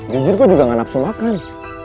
jujur gue juga gak nafsu makan